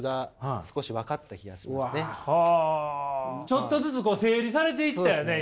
ちょっとずつ整理されていったよね？